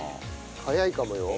早いかもよ。